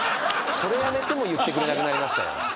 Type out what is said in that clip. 「それはね」とも言ってくれなくなりましたよ